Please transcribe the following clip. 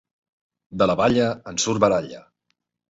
De la balla, en surt baralla.